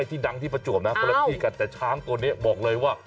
ที่ดังที่ประจวบนะคนละที่กันแต่ช้างตัวนี้บอกเลยว่า